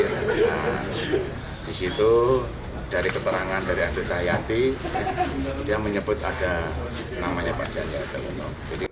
nah di situ dari keterangan dari andreas cahyadi dia menyebut ada namanya pak sandiaga uno